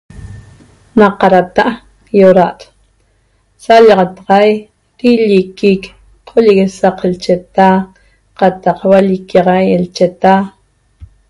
Na qadata' ýoda'at sallaxataxaic quilliquic qolleguesaq lcheta qataq hualliquiaxai lcheta